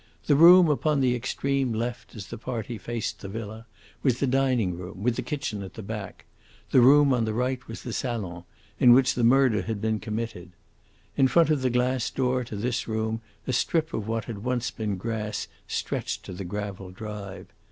The room upon the extreme left, as the party faced the villa, was the dining room, with the kitchen at the back; the room on the right was the salon in which the murder had been committed. In front of the glass door to this room a strip of what had once been grass stretched to the gravel drive.